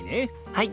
はい！